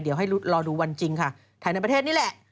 เดี๋ยวให้รอดูวันจริงค่ะภายในประเทศนี่แหละ